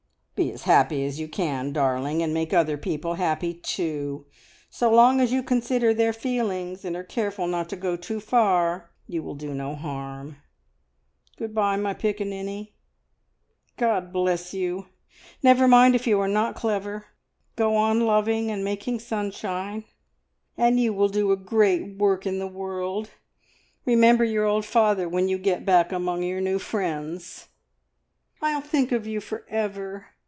"Be as happy as you can, darling, and make other people happy too. So long as you consider their feelings, and are careful not to go too far, you will do no harm. Good bye, my piccaninny! God bless you! Never mind if you are not clever. Go on loving and making sunshine, and you will do a great work in the world. Remember your old father when you get back among your new friends!" "I'll think of you for ever!"